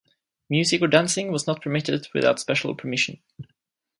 Music or dancing was not permitted without special permission.